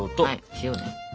塩です。